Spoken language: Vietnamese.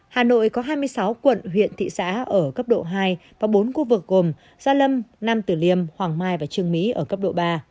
hà nội có hai mươi sáu quận huyện thị xã ở cấp độ hai và bốn khu vực gồm gia lâm nam tử liêm hoàng mai và trường mỹ ở cấp độ ba